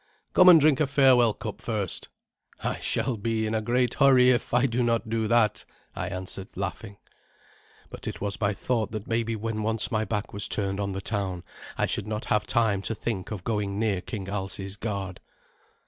"Come and drink a farewell cup first." "I shall be in a great hurry if I do not do that," I answered, laughing. But it was my thought that maybe when once my back was turned on the town, I should not have time to think of going near King Alsi's guard.